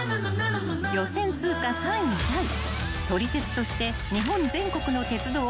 ［予選通過３位タイ撮り鉄として日本全国の鉄道を撮影してきた田中君］